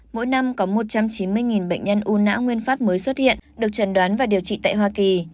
mỗi năm có một trăm chín mươi bệnh nhân u nã nguyên phát mới xuất hiện được trần đoán và điều trị tại hoa kỳ